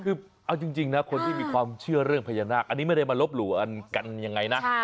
คือเอาจริงนะคนที่มีความเชื่อเรื่องพญานาคอันนี้ไม่ได้มาลบหลู่กันยังไงนะ